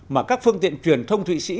mà các phương tiện truyền thông thụy sĩ